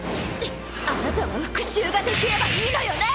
あなたは復讐ができればいいのよね？